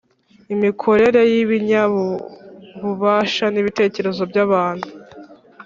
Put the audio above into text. imikorere y’ibinyabubasha n’ibitekerezo by’abantu,